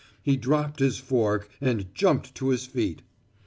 He dropped his fork and jumped to his feet.